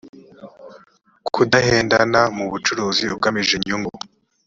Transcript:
kudahendana mu bucuruzi ugamije inyungu.